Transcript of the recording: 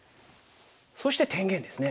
そして天元ですね。